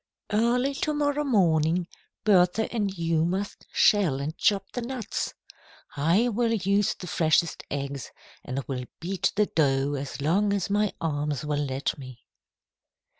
Early to morrow morning, you and Bertha must shell and chop the nuts. I will use the freshest eggs and will beat the dough as long as my arms will let me."